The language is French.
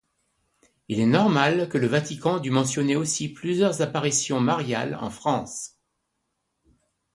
Il est normal que le Vatican dût mentionner aussi plusieurs Apparitions mariales en France.